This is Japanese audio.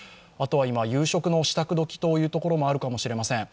今、夕食の支度時というところもあるかもしれません。